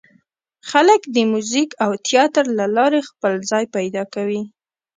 خلک د موزیک او تیاتر له لارې خپل ځای پیدا کوي.